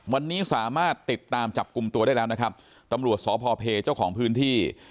วันนี้สามารถติดตามจับกลุ่มตัวได้แล้วนะครับตำรวจสพเพเจ้าของพื้นที่